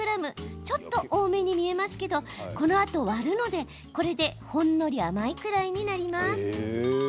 ちょっと多めに見えるけどこのあと割るので、これでほんのり甘いくらいになります。